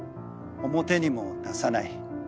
表にも出さない。